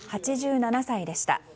８７歳でした。